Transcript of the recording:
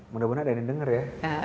mudah mudahan ada yang denger ya